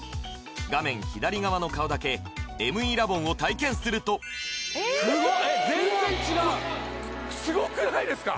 画面左側の顔だけＭＥラボンを体験するとすごい全然違うすごくないですか？